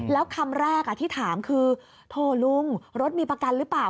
แล้วคำแรกที่ถามคือโถ่ลุงรถมีประกันหรือเปล่า